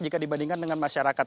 jika dibandingkan dengan masyarakat